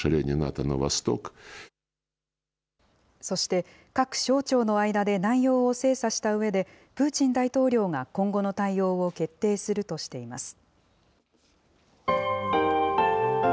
そして、各省庁の間で内容を精査したうえで、プーチン大統領が今後の対応を決定するとしています。